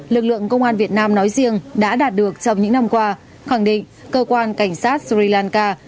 lực lượng công an việt nam nói riêng đã đạt được trong những năm qua khẳng định cơ quan cảnh sát sri lanka